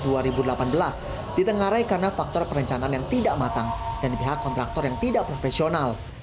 ditengarai karena faktor perencanaan yang tidak matang dan pihak kontraktor yang tidak profesional